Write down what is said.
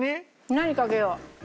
何かけよう？